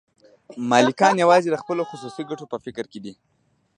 مالکان یوازې د خپلو خصوصي ګټو په فکر کې دي